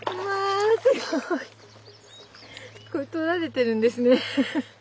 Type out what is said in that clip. これ撮られてるんですね。